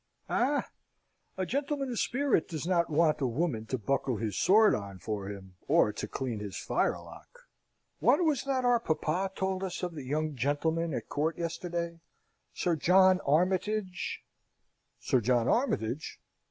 "Eh! A gentleman of spirit does not want a woman to buckle his sword on for him or to clean his firelock! What was that our papa told us of the young gentleman at court yesterday? Sir John Armytage " "Sir John Armytage?